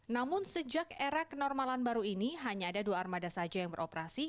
namun sejak era kenormalan baru ini hanya ada dua armada saja yang beroperasi